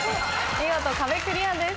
見事壁クリアです。